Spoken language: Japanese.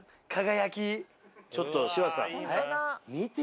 ちょっと柴田さん。